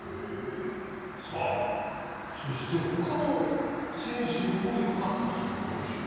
そして他の選手もよかったですよ、先週。